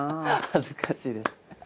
恥ずかしいです。